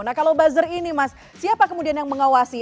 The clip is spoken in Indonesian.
nah kalau buzzer ini mas siapa kemudian yang mengawasi